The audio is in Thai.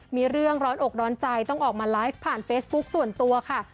มีเรื่องร้อนอกร้อนใจต้องออกมาไลฟ์ผ่านเฟซบุ๊คส่วนตัวค่ะ